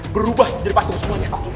berubah jadi patung semuanya